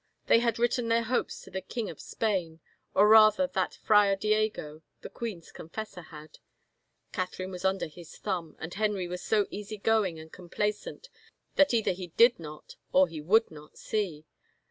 They had written their hopes to the King of Spain, or rather that Friar Diego, the queen's con fessor, had. Catherine was under his thumb, and Henry 172 IN HEVER CASTLE was so easy going and complaisant that either he did not or he would not see.